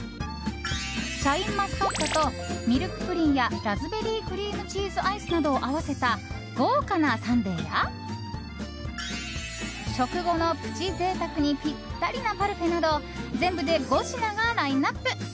シャインマスカットとミルクプリンやラズベリークリームチーズアイスなどを合わせた豪華なサンデーや食後のプチ贅沢にピッタリなパルフェなど全部で５品がラインアップ。